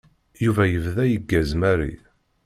Yuba yebda yeggaz Mary.